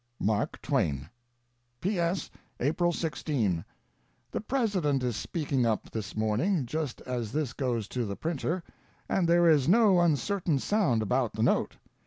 MARK TWAIN. P. 8. April 16. The President is speaking up, this morning, just as this goes to the printer, and there is no uncertain sound about the note.